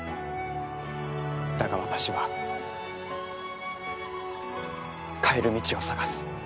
だが私は帰る道を探す。